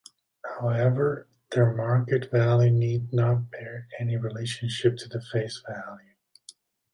However, their market value need not bear any relationship to the face value.